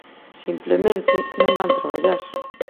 simplemente, non van traballar.